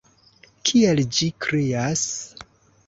Kiel ĝi krias!